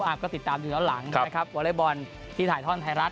ก็ติดตามดูย้อนหลังนะครับวอเล็กบอลที่ถ่ายท่อนไทยรัฐ